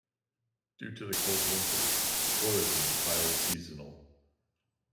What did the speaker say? Due to the cold winters, tourism is highly seasonal.